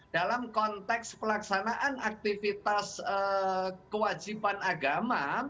dalam konteks pelaksanaan aktivitas kewajiban agama